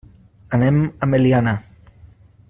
Anem a Meliana.